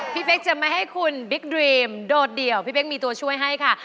พี่เป๊กจะไม่ให้คุณบิ๊กดรีมโดดเดี่ยวพี่เป๊กมีตัวช่วยให้ค่ะ